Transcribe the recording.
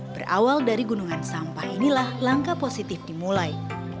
berawal dari gunungan sampah inilah langkah positif dimulai